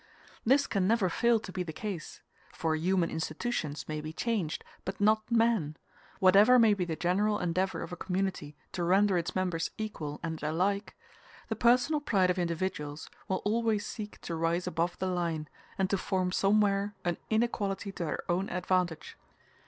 This can never fail to be the case; for human institutions may be changed, but not man: whatever may be the general endeavor of a community to render its members equal and alike, the personal pride of individuals will always seek to rise above the line, and to form somewhere an inequality to their own advantage.